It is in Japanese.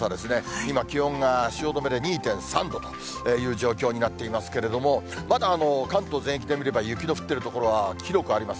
今、気温が汐留で２．３度という状況になっていますけれども、まだ関東全域で見れば、雪の降ってる所は広くあります。